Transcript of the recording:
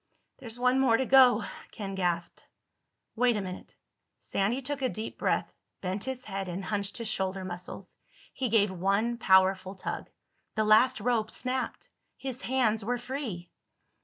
"There's one more to go," Ken gasped. "Wait a minute." Sandy took a deep breath, bent his head, and hunched his shoulder muscles. He gave one powerful tug. The last rope snapped. His hands were free.